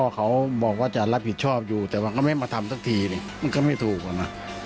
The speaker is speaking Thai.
เขาบอกว่าจะรับผิดชอบอยู่แต่มันก็ไม่มาทำสักทีมันก็ไม่ถูกอะนะ